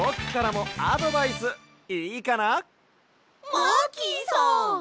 マーキーさん！？